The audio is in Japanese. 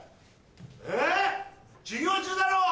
えぇ？授業中だろ？